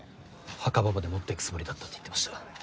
墓場まで持ってくつもりだったって言ってました。